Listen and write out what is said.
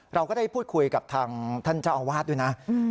เราก็ได้พูดคุยกับทางท่านเจ้าอาวาสด้วยนะ